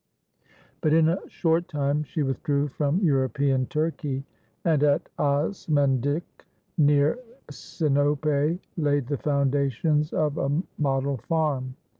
But in a short time she withdrew from European Turkey, and at Osmandjik, near Sinope, laid the foundations of a model farm.